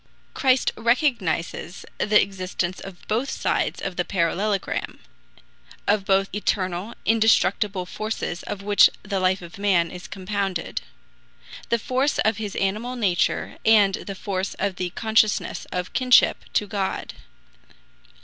Christ recognizes the existence of both sides of the parallelogram, of both eternal indestructible forces of which the life of man is compounded: the force of his animal nature and the force of the consciousness of Kinship to God.